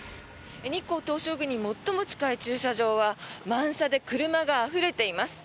日光東照宮に最も近い駐車場は満車で車があふれています。